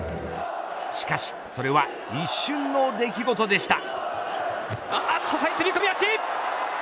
しかしそれは一瞬の出来事でした。